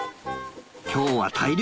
今日は大漁！